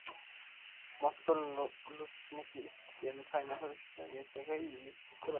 মস্কোর লুজনিকি স্টেডিয়ামে ফাইনাল হবে সেটা আগে থেকেই ঠিক করা ছিল।